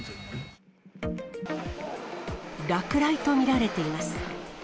落雷と見られています。